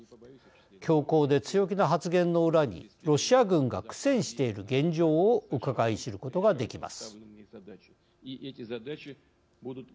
強行で強気な発言の裏にロシア軍が苦戦している現状をうかがい知ることができます。